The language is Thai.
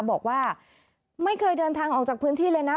บอกว่าไม่เคยเดินทางออกจากพื้นที่เลยนะ